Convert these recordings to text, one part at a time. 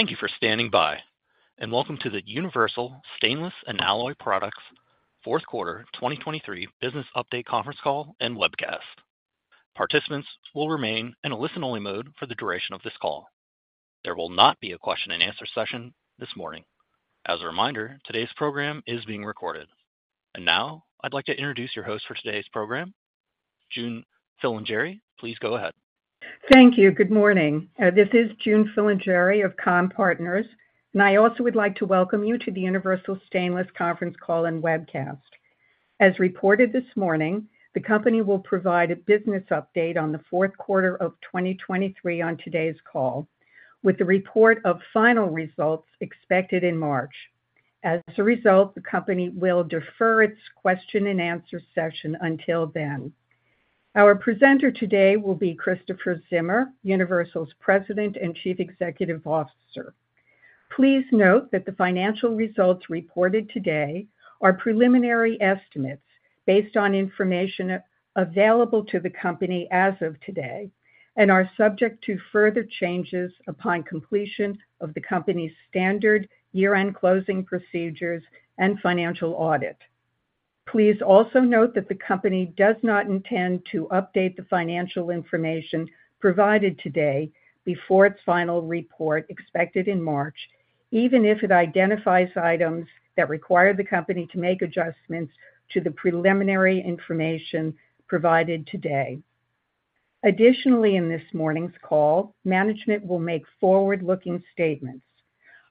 Thank you for standing by, and welcome to the Universal Stainless and Alloy Products Fourth Quarter 2023 Business Update Conference Call and Webcast. Participants will remain in a listen-only mode for the duration of this call. There will not be a question-and-answer session this morning. As a reminder, today's program is being recorded. Now, I'd like to introduce your host for today's program, June Filingeri. Please go ahead. Thank you. Good morning. This is June Filingeri of Comm-Partners, and I also would like to welcome you to the Universal Stainless Conference Call and Webcast. As reported this morning, the company will provide a business update on the fourth quarter of 2023 on today's call, with the report of final results expected in March. As a result, the company will defer its question-and-answer session until then. Our presenter today will be Christopher Zimmer, Universal's President and Chief Executive Officer. Please note that the financial results reported today are preliminary estimates based on information available to the company as of today and are subject to further changes upon completion of the company's standard year-end closing procedures and financial audit. Please also note that the company does not intend to update the financial information provided today before its final report, expected in March, even if it identifies items that require the company to make adjustments to the preliminary information provided today. Additionally, in this morning's call, management will make forward-looking statements.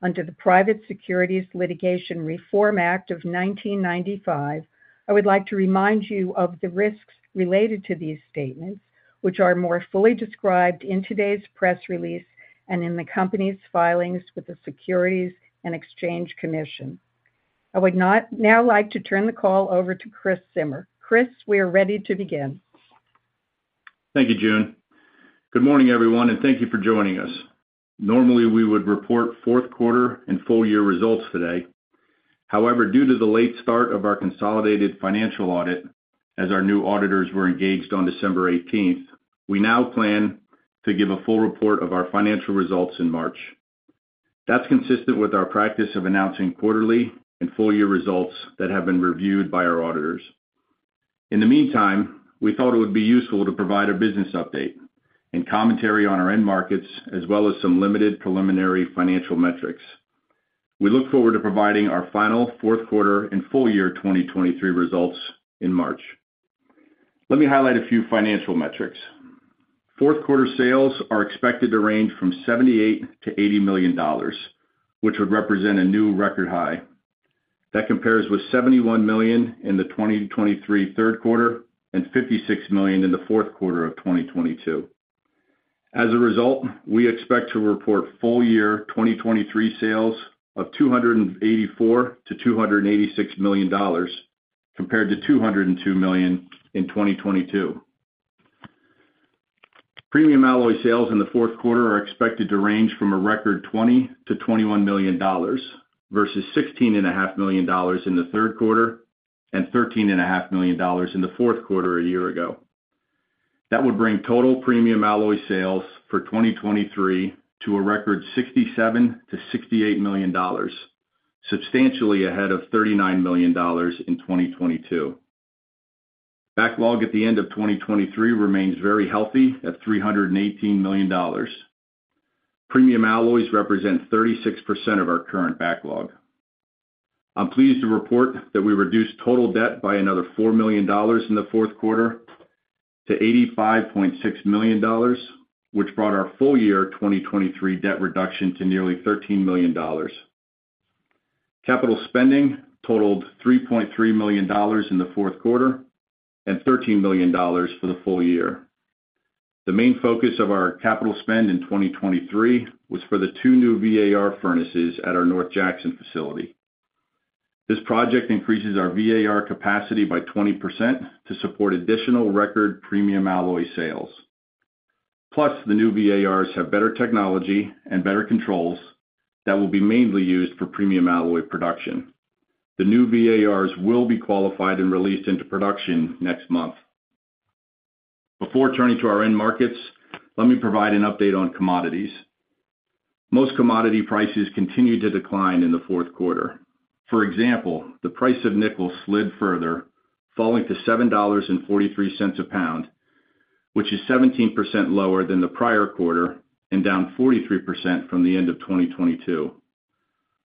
Under the Private Securities Litigation Reform Act of 1995, I would like to remind you of the risks related to these statements, which are more fully described in today's press release and in the company's filings with the Securities and Exchange Commission. I would now like to turn the call over to Chris Zimmer. Chris, we are ready to begin. Thank you, June. Good morning, everyone, and thank you for joining us. Normally, we would report fourth quarter and full year results today. However, due to the late start of our consolidated financial audit, as our new auditors were engaged on December eighteenth, we now plan to give a full report of our financial results in March. That's consistent with our practice of announcing quarterly and full year results that have been reviewed by our auditors. In the meantime, we thought it would be useful to provide a business update and commentary on our end markets, as well as some limited preliminary financial metrics. We look forward to providing our final fourth quarter and full year 2023 results in March. Let me highlight a few financial metrics. Fourth quarter sales are expected to range from $78 million-$80 million, which would represent a new record high. That compares with $71 million in the 2023 third quarter and $56 million in the fourth quarter of 2022. As a result, we expect to report full year 2023 sales of $284 million-$286 million, compared to $202 million in 2022. Premium Alloys sales in the fourth quarter are expected to range from a record $20 million-$21 million versus $16.5 million in the third quarter and $13.5 million in the fourth quarter a year ago. That would bring total Premium Alloys sales for 2023 to a record $67 million-$68 million, substantially ahead of $39 million in 2022. Backlog at the end of 2023 remains very healthy at $318 million. Premium Alloys represent 36% of our current backlog. I'm pleased to report that we reduced total debt by another $4 million in the fourth quarter to $85.6 million, which brought our full year 2023 debt reduction to nearly $13 million. Capital spending totaled $3.3 million in the fourth quarter and $13 million for the full year. The main focus of our capital spend in 2023 was for the 2 new VAR furnaces at our North Jackson facility. This project increases our VAR capacity by 20% to support additional record premium alloy sales. Plus, the new VARs have better technology and better controls that will be mainly used for premium alloy production. The new VARs will be qualified and released into production next month. Before turning to our end markets, let me provide an update on commodities. Most commodity prices continued to decline in the fourth quarter. For example, the price of nickel slid further, falling to $7.43 a pound, which is 17% lower than the prior quarter and down 43% from the end of 2022.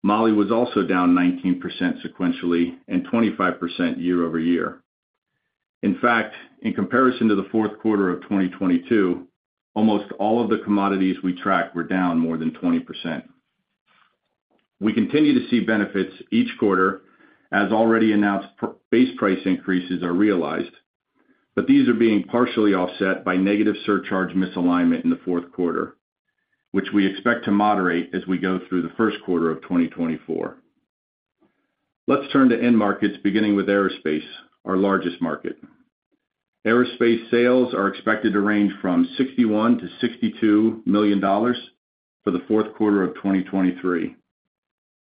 Moly was also down 19% sequentially and 25% year-over-year. In fact, in comparison to the fourth quarter of 2022, almost all of the commodities we track were down more than 20%. We continue to see benefits each quarter, as already announced for base price increases are realized, but these are being partially offset by negative surcharge misalignment in the fourth quarter, which we expect to moderate as we go through the first quarter of 2024. Let's turn to end markets, beginning with aerospace, our largest market. Aerospace sales are expected to range from $61 million-$62 million for the fourth quarter of 2023.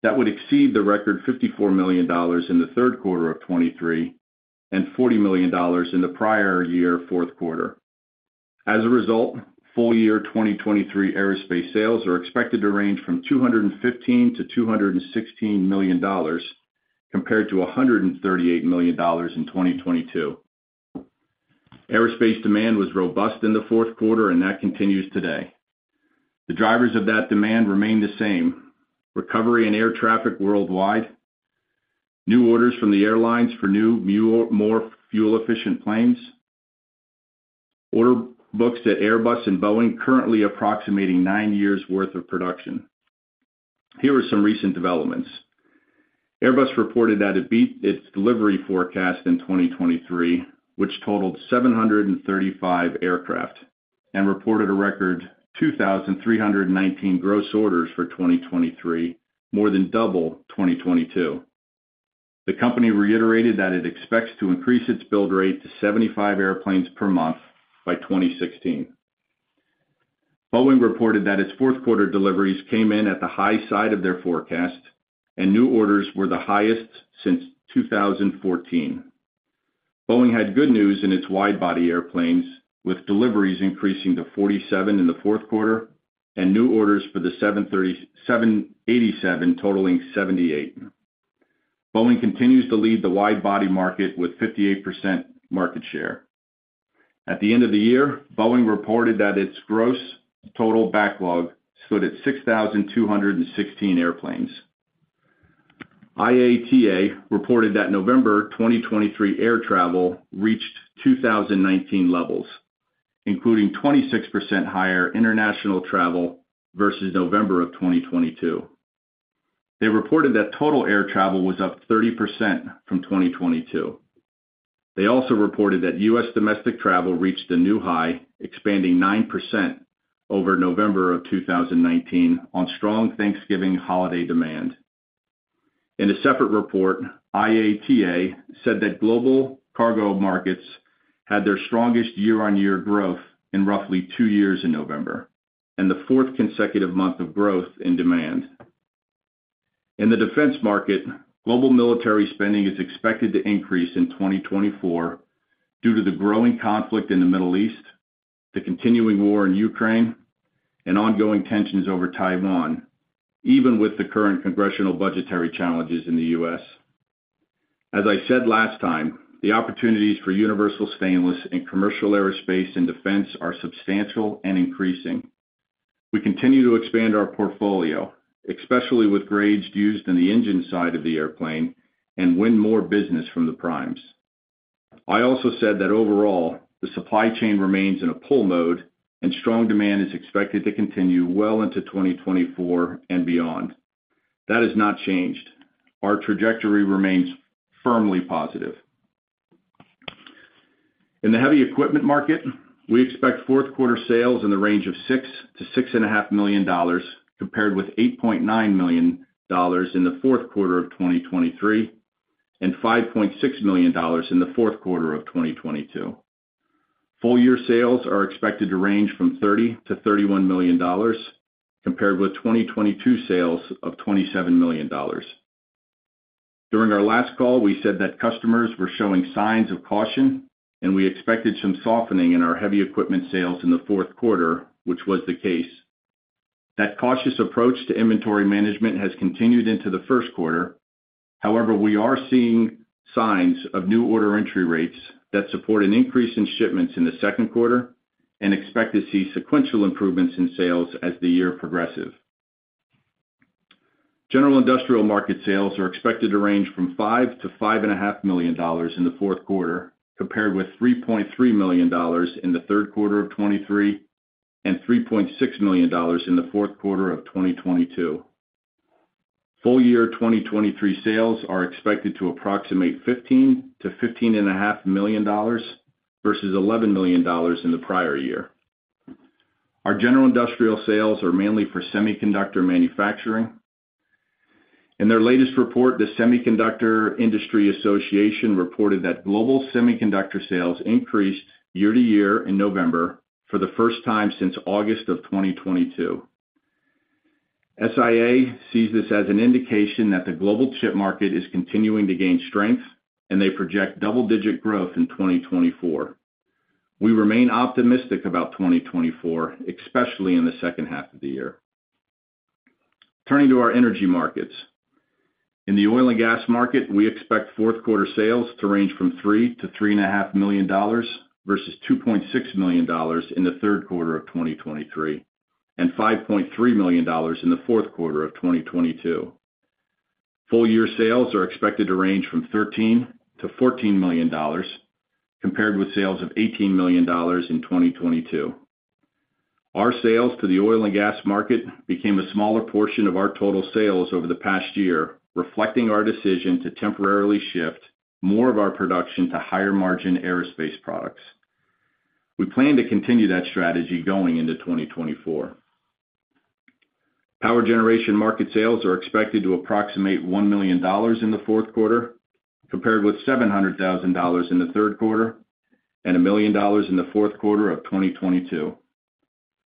That would exceed the record $54 million in the third quarter of 2023, and $40 million in the prior year, fourth quarter. As a result, full-year 2023 aerospace sales are expected to range from $215 million-$216 million, compared to $138 million in 2022. Aerospace demand was robust in the fourth quarter, and that continues today. The drivers of that demand remain the same: recovery in air traffic worldwide, new orders from the airlines for new, more fuel-efficient planes, order books at Airbus and Boeing, currently approximating nine years' worth of production. Here are some recent developments. Airbus reported that it beat its delivery forecast in 2023, which totaled 735 aircraft, and reported a record 2,319 gross orders for 2023, more than double 2022. The company reiterated that it expects to increase its build rate to 75 airplanes per month by 2016. Boeing reported that its fourth quarter deliveries came in at the high side of their forecast, and new orders were the highest since 2014. Boeing had good news in its wide-body airplanes, with deliveries increasing to 47 in the fourth quarter and new orders for the 737, 787 totaling 78. Boeing continues to lead the wide-body market with 58% market share. At the end of the year, Boeing reported that its gross total backlog stood at 6,216 airplanes. IATA reported that November 2023 air travel reached 2019 levels, including 26% higher international travel versus November of 2022. They reported that total air travel was up 30% from 2022. They also reported that U.S. domestic travel reached a new high, expanding 9% over November of 2019 on strong Thanksgiving holiday demand. In a separate report, IATA said that global cargo markets had their strongest year-on-year growth in roughly two years in November, and the fourth consecutive month of growth in demand. In the defense market, global military spending is expected to increase in 2024 due to the growing conflict in the Middle East, the continuing war in Ukraine, and ongoing tensions over Taiwan, even with the current congressional budgetary challenges in the U.S. As I said last time, the opportunities for Universal Stainless in commercial aerospace and defense are substantial and increasing. We continue to expand our portfolio, especially with grades used in the engine side of the airplane, and win more business from the primes. I also said that overall, the supply chain remains in a pull mode, and strong demand is expected to continue well into 2024 and beyond. That has not changed. Our trajectory remains firmly positive. In the heavy equipment market, we expect fourth quarter sales in the range of $6 million-$6.5 million, compared with $8.9 million in the fourth quarter of 2023, and $5.6 million in the fourth quarter of 2022. Full year sales are expected to range from $30-$31 million, compared with 2022 sales of $27 million. During our last call, we said that customers were showing signs of caution, and we expected some softening in our heavy equipment sales in the fourth quarter, which was the case. That cautious approach to inventory management has continued into the first quarter. However, we are seeing signs of new order entry rates that support an increase in shipments in the second quarter and expect to see sequential improvements in sales as the year progresses. General industrial market sales are expected to range from $5 million-$5.5 million in the fourth quarter, compared with $3.3 million in the third quarter of 2023 and $3.6 million in the fourth quarter of 2022. Full year 2023 sales are expected to approximate $15 million-$15.5 million versus $11 million in the prior year. Our general industrial sales are mainly for semiconductor manufacturing. In their latest report, the Semiconductor Industry Association reported that global semiconductor sales increased year-over-year in November for the first time since August of 2022. SIA sees this as an indication that the global chip market is continuing to gain strength, and they project double-digit growth in 2024. We remain optimistic about 2024, especially in the second half of the year. Turning to our energy markets. In the oil and gas market, we expect fourth quarter sales to range from $3 million-$3.5 million, versus $2.6 million in the third quarter of 2023, and $5.3 million in the fourth quarter of 2022. Full year sales are expected to range from $13 million-$14 million, compared with sales of $18 million in 2022. Our sales to the oil and gas market became a smaller portion of our total sales over the past year, reflecting our decision to temporarily shift more of our production to higher-margin aerospace products. We plan to continue that strategy going into 2024. Power generation market sales are expected to approximate $1 million in the fourth quarter, compared with $700,000 in the third quarter and $1 million in the fourth quarter of 2022.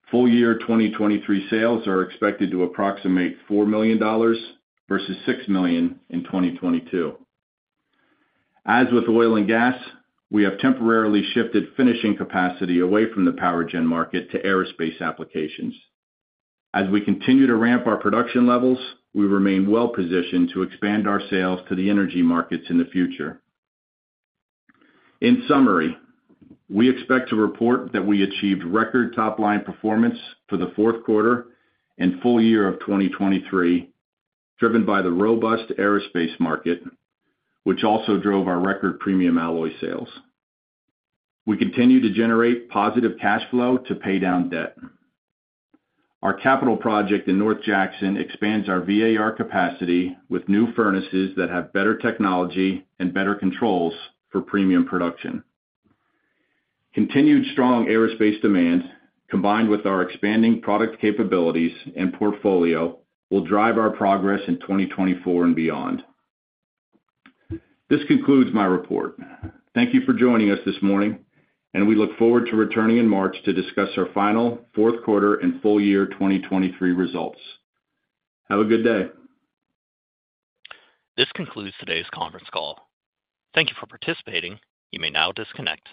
Full year 2023 sales are expected to approximate $4 million versus $6 million in 2022. As with oil and gas, we have temporarily shifted finishing capacity away from the power gen market to aerospace applications. As we continue to ramp our production levels, we remain well positioned to expand our sales to the energy markets in the future. In summary, we expect to report that we achieved record top-line performance for the fourth quarter and full year of 2023, driven by the robust aerospace market, which also drove our record premium alloy sales. We continue to generate positive cash flow to pay down debt. Our capital project in North Jackson expands our VAR capacity with new furnaces that have better technology and better controls for premium production. Continued strong aerospace demand, combined with our expanding product capabilities and portfolio, will drive our progress in 2024 and beyond. This concludes my report. Thank you for joining us this morning, and we look forward to returning in March to discuss our final fourth quarter and full year 2023 results. Have a good day. This concludes today's conference call. Thank you for participating. You may now disconnect.